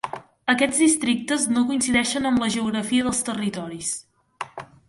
Aquests districtes no coincideixen amb la geografia dels territoris.